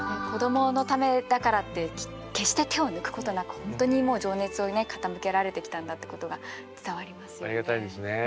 子どものためだからって決して手を抜くことなくほんとに情熱をね傾けられてきたんだってことが伝わりますよね。